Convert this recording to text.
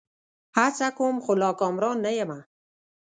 هڅه کوم؛ خو لا کامران نه یمه